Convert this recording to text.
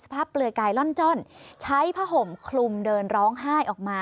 เปลือยกายล่อนจ้อนใช้ผ้าห่มคลุมเดินร้องไห้ออกมา